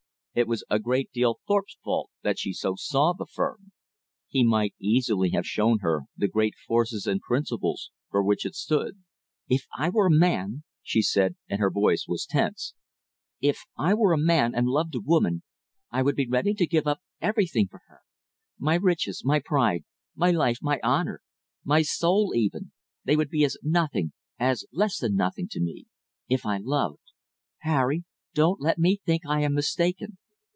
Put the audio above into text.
It was a great deal Thorpe's fault that she so saw the firm. He might easily have shown her the great forces and principles for which it stood. "If I were a man," she said, and her voice was tense, "if I were a man and loved a woman, I would be ready to give up everything for her. My riches, my pride, my life, my honor, my soul even, they would be as nothing, as less than nothing to me, if I loved. Harry, don't let me think I am mistaken.